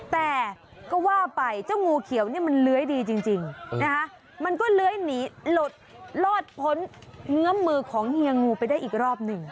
แต่ก็ว่าไปเจ้างูเขียวนี่มันเลื้อยดีจริงนะคะมันก็เลื้อยหนีรอดพ้นเงื้อมมือของเฮียงูไปได้อีกรอบหนึ่ง